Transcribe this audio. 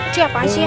siapa sih ya